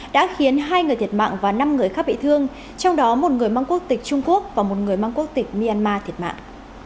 đã khiến hai người thiệt mạng và năm người khác bị thương trong đó một người mang quốc tịch trung quốc và một người mang quốc tịch myanmar thiệt mạng